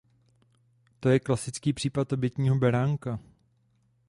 To je klasický případ obětního beránka.